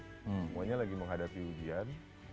semuanya lagi menghadapi ujian